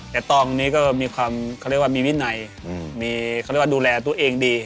แต่ต้องนี้ก็มีความเขาเรียกว่ามีวินัยมีเขาเรียกว่าดูแลตัวเองดี